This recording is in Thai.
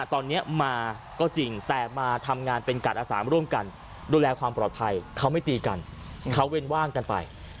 ตอนนี้มาก็จริงแต่มาทำงานเป็นกาดอาสามร่วมกันดูแลความปลอดภัยเขาไม่ตีกันเขาเว้นว่างกันไป